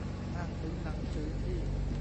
อ้างถึงหนังสือที่